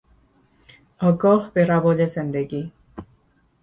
آگاه به روال زندگی